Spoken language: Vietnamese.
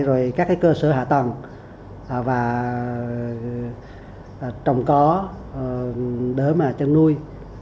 rồi các cái cơ sở hạ tầng và trồng có đỡ mà chân nuôi